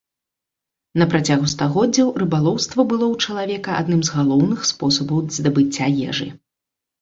На працягу стагоддзяў рыбалоўства было ў чалавека адным з галоўных спосабаў здабыцця ежы.